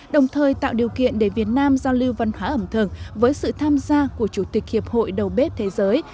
đồng thời tạo điều kiện để việt nam giao lưu văn hóa ẩm thực với sự tham gia của chủ tịch hiệp hội đầu bếp thế giới